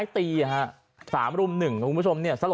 ก็ได้พลังเท่าไหร่ครับ